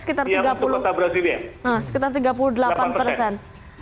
di kota brasilia sekitar tiga puluh delapan persen